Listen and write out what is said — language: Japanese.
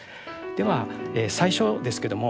では最初ですけども。